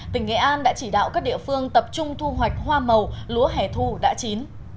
tỉnh nghệ an đã chỉ đạo các địa phương tập trung thu hoạch hoa màu lúa hẻ thu đã chín